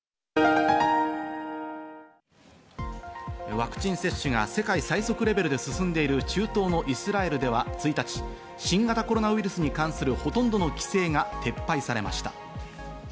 ワクチン接種が世界最速レベルで進んでいる中東のイスラエルでは１日、新型コロナウイルスに関するほとんどの規制が撤廃されました。